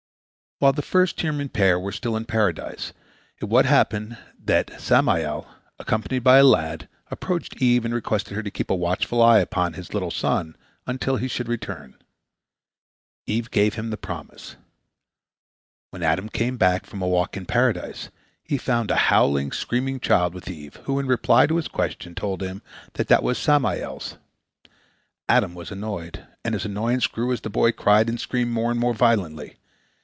While the first human pair were still in Paradise, it once happened that Samael, accompanied by a lad, approached Eve and requested her to keep a watchful eye upon his little son until he should return. Eve gave him the promise. When Adam came back from a walk in Paradise, he found a howling, screaming child with Eve, who, in reply to his question, told him it was Samael's. Adam was annoyed, and his annoyance grew as the boy cried and screamed more and more violently.